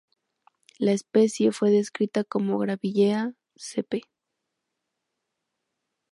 La especie fue descrita como "Grevillea" sp.